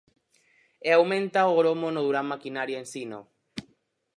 E aumenta o gromo no Durán Maquinaria Ensino.